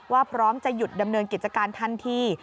พร้อมจะหยุดดำเนินกิจการทันที